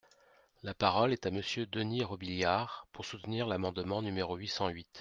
La parole est à Monsieur Denys Robiliard, pour soutenir l’amendement numéro huit cent huit.